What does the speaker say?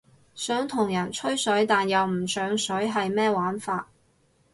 想同人吹水但又唔上水係咩玩法？